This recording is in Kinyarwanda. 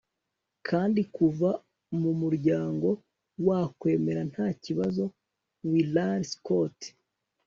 kandi, kuva mu muryango wakwemera nta kibazo. - willard scott